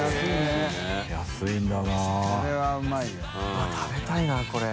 うわ食べたいなこれ。